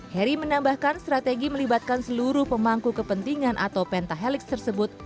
heri menambahkan strategi melibatkan seluruh pemangku kepentingan atau pentahelix tersebut